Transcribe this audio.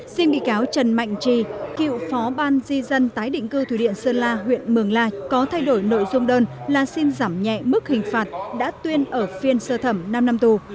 xin bị cáo trần mạnh trì cựu phó ban di dân tái định cư thủy điện sơn la huyện mường la có thay đổi nội dung đơn là xin giảm nhẹ mức hình phạt đã tuyên ở phiên sơ thẩm năm năm tù